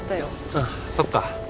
あっそっか。